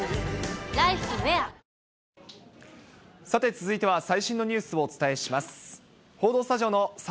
続いては最新のニュースをお伝えします。